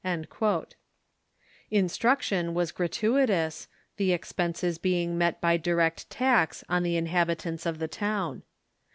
"* Instruction was gratuitous, the expenses being met by direct tax on the inhabitants of the town.